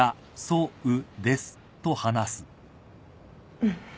うん。